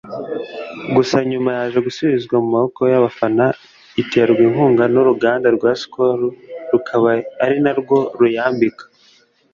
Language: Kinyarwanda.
Gusa nyuma yaje gusubizwa mu maboko y’abafana iterwa inkunga n’uruganda rwa Skol rukaba ari narwo ruyambika